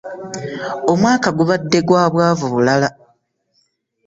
Omwaka gubadde gwa bwavu bulala!